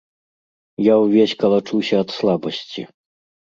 Я ўвесь калачуся ад слабасці.